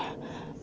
tạo điều kiện tốt